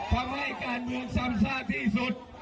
ทำให้การเมืองซ้ำซากที่สุด